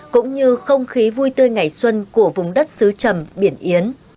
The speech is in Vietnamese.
cũng như không khí vui tươi ngày xuân của vùng đất xứ trầm biển yến